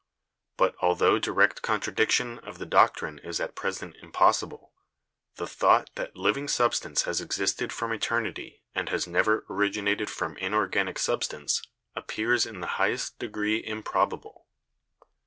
But, altho direct contradiction of the doctrine is at present impossible, the 40 BIOLOGY thought that living substance has existed from eternity and has never originated from inorganic substance appears in the highest degree improbable.